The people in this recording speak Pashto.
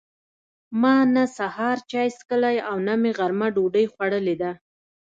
ما نه سهار چای څښلي او نه مې غرمه ډوډۍ خوړلې ده.